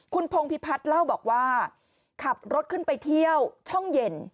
คุณพงพิพัฒน์เล่าบอกว่าขับรถขึ้นไปเที่ยวช่องเย็น